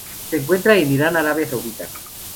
Se encuentra en Irán Arabia Saudita.